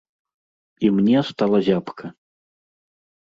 І мне стала зябка.